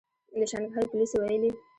د شانګهای پولیسو ویلي